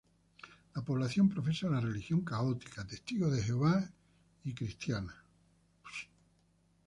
La población profesa la religión católica, Testigos de Jehová y cristiana.